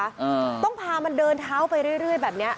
อ่าต้องพามันเดินเท้าไปเรื่อยเรื่อยแบบเนี้ย